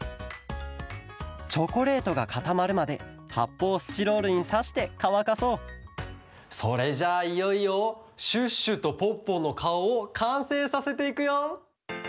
チョコレートがかたまるまではっぽうスチロールにさしてかわかそうそれじゃあいよいよシュッシュとポッポのかおをかんせいさせていくよ！